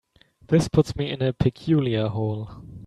This puts me in a peculiar hole.